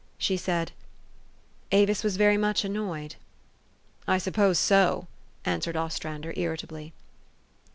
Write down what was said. She said, " Avis was very much annoyed." " I suppose so," answered Ostrander irritably.